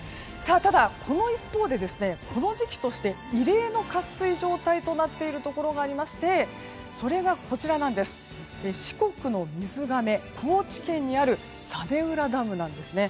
ただ、この一方でこの時期として異例の渇水状態となっているところがありましてそれが、四国の水がめ高知県の早明浦ダムなんです。